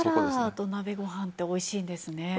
だから土鍋ご飯っておいしいんですね。